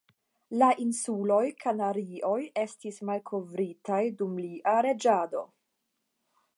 La Insuloj Kanarioj estis malkovritaj dum lia reĝado.